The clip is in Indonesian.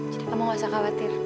kamu gak usah khawatir